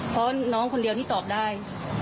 เพราะน้องคนเดียวที่ตอบได้